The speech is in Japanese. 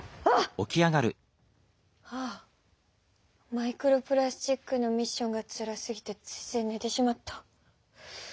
マイクロプラスチックのミッションがつらすぎてついついねてしまった！